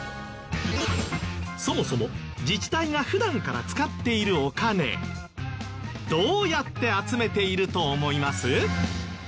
そもそも自治体が普段から使っているお金どうやって集めていると思います？